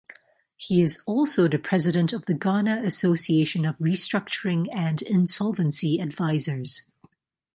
He is also the President of the Ghana Association of Restructuring and Insolvency Advisors.